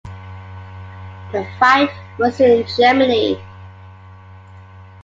The fight was in Germany.